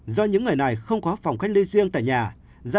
do những người này không có phòng cách ly riêng tại nhà